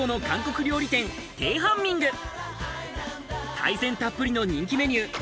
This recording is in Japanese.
海鮮たっぷりの人気メニュー。